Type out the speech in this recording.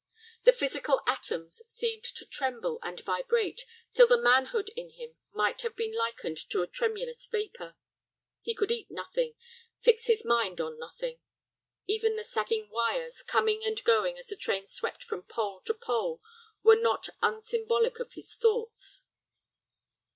The physical atoms seemed to tremble and vibrate, till the manhood in him might have been likened to a tremulous vapor. He could eat nothing, fix his mind on nothing. Even the sagging wires, coming and going as the train swept from pole to pole, were not unsymbolical of his thoughts.